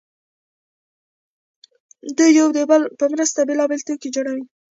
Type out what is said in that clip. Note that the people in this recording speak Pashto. دوی یو د بل په مرسته بېلابېل توکي جوړوي